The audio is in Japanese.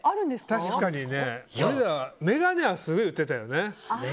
確かに眼鏡はすごいやってたよね。